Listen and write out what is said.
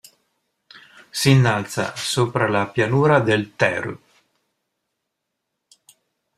Si innalza sopra la pianura del Teru.